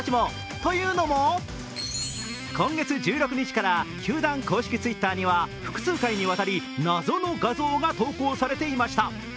というのも今月１６日から球団公式Ｔｗｉｔｔｅｒには複数回にわたり、謎の画像が投稿されていました。